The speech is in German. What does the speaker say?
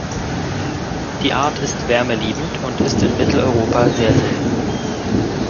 Die Art ist wärmeliebend und ist in Mitteleuropa sehr selten.